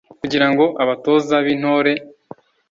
kugira ngo abatoza b'intore